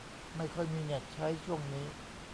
ไม่ค่อยมีเน็ตใช้ช่วงนี้